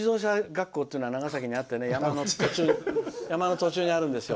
あたご自動車学校って長崎にあって山の途中にあるんですよ。